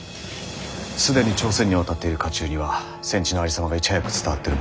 既に朝鮮に渡っている家中には戦地のありさまがいち早く伝わってるものと。